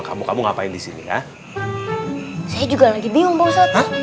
kamar mandi toilet abis